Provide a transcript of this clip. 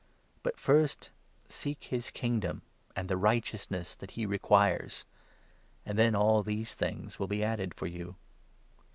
But first seek his 33 Kingdom and the righteousness that he requires, and then all these things shall be added for you.